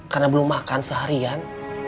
karena belum makan seharian